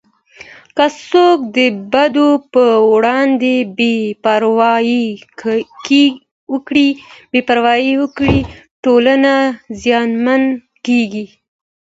که څوک د بدو په وړاندې بې پروايي وکړي، ټولنه زیانمنه کېږي.